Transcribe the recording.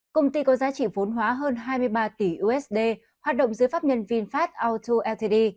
công ty có giá trị vốn hóa hơn hai mươi ba tỷ usd hoạt động dưới pháp nhân vinfast auto led